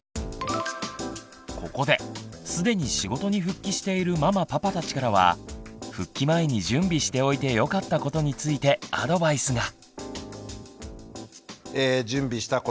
ここですでに仕事に復帰しているママパパたちからは復帰前に準備しておいてよかったことについてアドバイスが。え準備したこと。